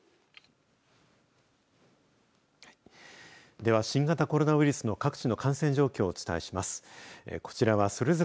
では新型コロナウイルスの各地の感染状況をお伝えします。